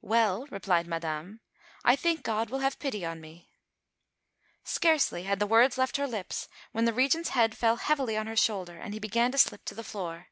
"Well," replied Madame, "I think God will have pity on me." Scarcely had the words left her lips when the Regent's head fell heavily on her shoulder, and he began to slip to the floor.